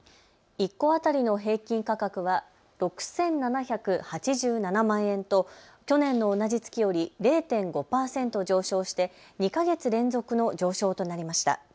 １戸当たりの平均価格は６７８７万円と去年の同じ月より０．５％上昇して２か月連続の上昇となりました。